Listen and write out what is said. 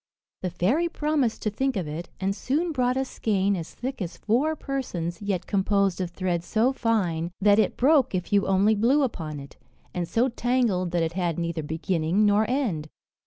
The fairy promised to think of it, and soon brought a skein as thick as four persons, yet composed of thread so fine, that it broke if you only blew upon it, and so tangled that it had neither beginning nor end.